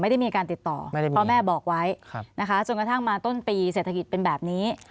ไม่ได้มีการติดต่อพ่อแม่บอกไว้นะคะจนกระทั่งมาต้นปีเศรษฐกิจเป็นแบบนี้